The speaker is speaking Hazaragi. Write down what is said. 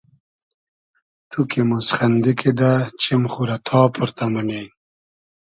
تو کی موسخئندی کیدہ چیم خو رۂ تا پۉرتۂ مونی